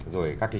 rồi các cái